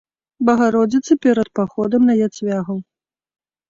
Багародзіцы перад паходам на яцвягаў.